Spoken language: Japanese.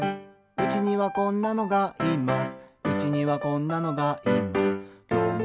「うちにはこんなのがいます」